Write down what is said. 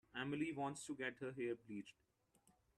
Emily wants to get her hair bleached.